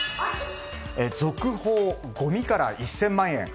続報、ごみから１０００万円。